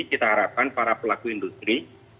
kita harapkan para pelaku industri